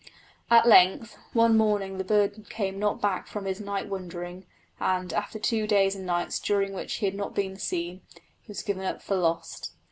At length, one morning the bird came not back from his night wandering, and after two days and nights, during which he had not been seen, he was given up for lost.